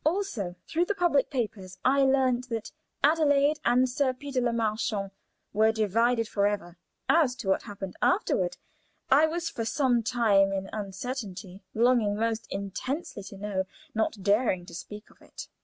Also through the public papers I learned that Adelaide and Sir Peter Le Marchant were divided forever. As to what happened afterward I was for some time in uncertainty, longing most intensely to know, not daring to speak of it.